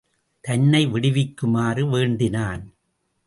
தன்னை விடுவிக்குமாறு வேண்டினான்.